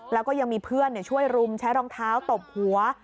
แล้วก็ยังมีเพื่อนช่วยรุมใช้รองเท้าตบหัว